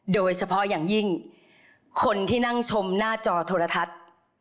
โดยเฉพาะอย่างยิ่งคนที่นั่งชมหน้าจอโทรทัศน์